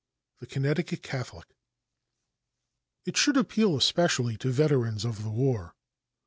The Connecticut Catholic. "It Should Appeal Especially to Veterans of the War."